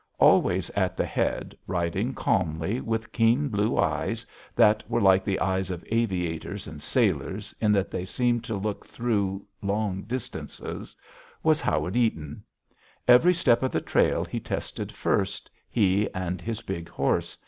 Always at the head, riding calmly, with keen blue eyes, that are like the eyes of aviators and sailors in that they seem to look through long distances, was Howard Eaton. Every step of the trail he tested first, he and his big horse.